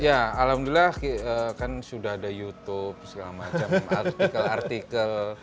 ya alhamdulillah kan sudah ada youtube segala macam artikel artikel